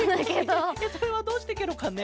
それはどうしてケロかね？